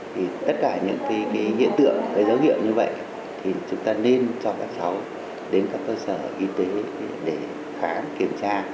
thì tất cả những hiện tượng cái dấu hiệu như vậy thì chúng ta nên cho các cháu đến các cơ sở y tế để khám kiểm tra